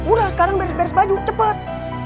udah sekarang beres beres baju cepat